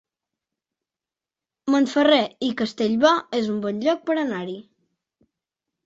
Montferrer i Castellbò es un bon lloc per anar-hi